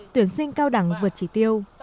tuyển sinh cao đẳng vượt chỉ tiêu